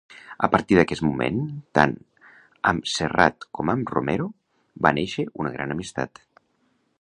A partir d'aquest moment, tant amb Serrat com amb Romero, va néixer una gran amistat.